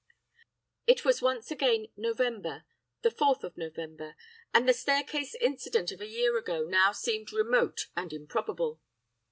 "It was once again November, the fourth of November, and the staircase incident of a year ago now seemed remote and improbable.